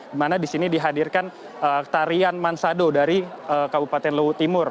dimana di sini dihadirkan tarian mansado dari kabupaten luhut timur